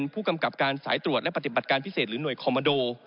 ผู้กำกับการสายตรวจและปฏิบัติการพิเศษหรือหน่วยคอมมาโด